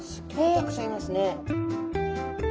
たくさんいますね。